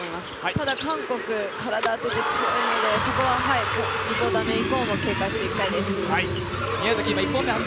ただ韓国、体強いのでそこは、２クオーター目以降も警戒したいです。